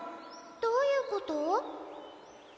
どういうこと？